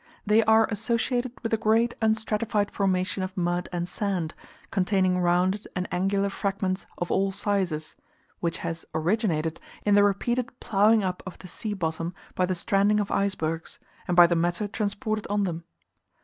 They are associated with a great unstratified formation of mud and sand, containing rounded and angular fragments of all sizes, which has originated in the repeated ploughing up of the sea bottom by the stranding of icebergs, and by the matter transported on them.